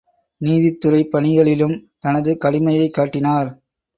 நீதித்துறைப் பணிகளிலும் தனது கடுமையைக் காட்டினார்.